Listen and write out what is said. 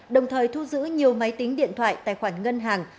đồng thời thu giữ nhiều máy tính điện thoại tài khoản ngân hàng